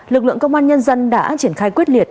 lực lượng công an nhân dân đã triển khai quyết liệt